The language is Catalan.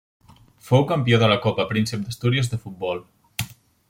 Fou campió de la Copa Príncep d'Astúries de futbol.